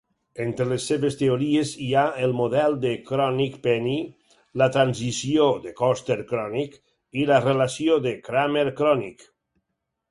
Entre les seves teories hi ha el model de Kronig-Penney, la transició de Coster-Kronig i la relació de Kramer-Kronig.